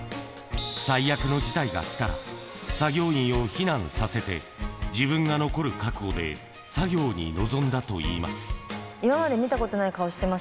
最悪の事態が来たら、作業員を避難させて、自分が残る覚悟で作業に臨んだといいます。